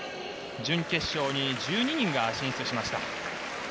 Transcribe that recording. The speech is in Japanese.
準決勝１２人が進出しました。